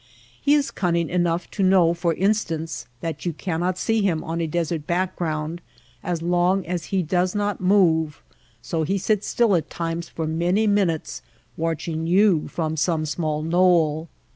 He is cunning enough to know, for instance, that you cannot see him on a desert background as long as he does not move ; so he sits still at times for many min utes, watching you from some little knoll.